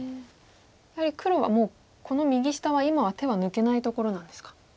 やはり黒はもうこの右下は今は手は抜けないところなんですか。